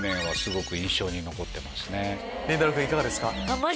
りんたろう君いかがですか？